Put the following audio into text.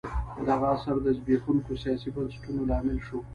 دغه عصر د زبېښونکو سیاسي بنسټونو لامل شو.